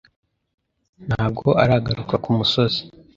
Ntabwo aragaruka kumusozi